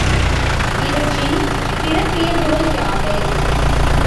இவற்றின் சிறப்பியல்புகள் யாவை?